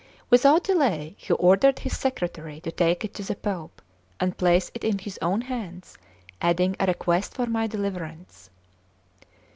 Without delay he ordered his secretary to take it to the Pope, and place it in his own hands, adding a request for my deliverance.